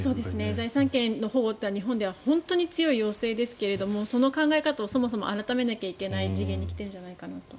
財産権の保護は本当に強い要請ですがその考え方をそもそも改めないといけない次元に来ているんじゃないかと。